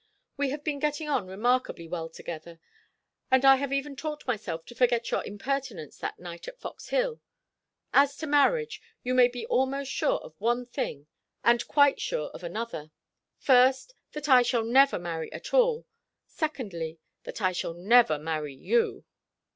"We have been getting on remarkably well together and I have even taught myself to forget your impertinence that night at Fox Hill. As to marriage, you may be almost sure of one thing, and quite sure of another first, that I shall never marry at all; secondly, that I shall never marry you."